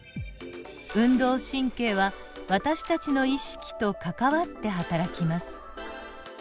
運動神経は私たちの意識と関わってはたらきます。